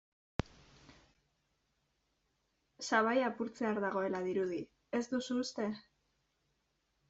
Sabaia apurtzear dagoela dirudi, ez duzu uste?